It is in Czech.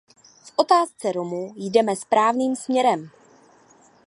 V otázce Romů jdeme správným směrem.